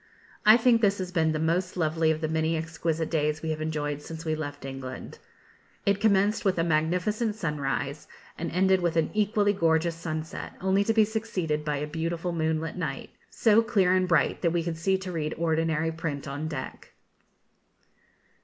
I think this has been the most lovely of the many exquisite days we have enjoyed since we left England. It commenced with a magnificent sunrise, and ended with an equally gorgeous sunset, only to be succeeded by a beautiful moonlight night, so clear and bright that we could see to read ordinary print on deck.